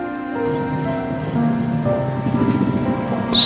atau merasa menangis